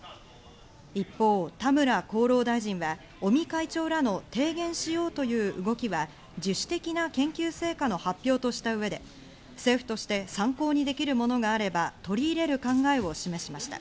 一方、田村厚労大臣は尾身会長らの提言しようという動きは自主的な研究成果の発表とした上で政府として参考にできるものがあれば、取り入れる考えを示しました。